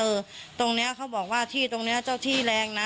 ตรงนี้เขาบอกว่าที่ตรงนี้เจ้าที่แรงนะ